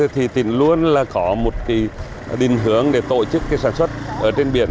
thì tỉnh luôn có một định hướng để tổ chức sản xuất trên biển